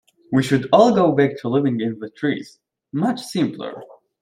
We should all go back to living in the trees, much simpler.